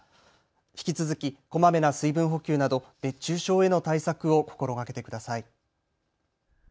引き続き、こまめな水分補給など熱中症への対策を心がけてください。